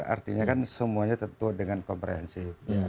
artinya kan semuanya tentu dengan komprehensif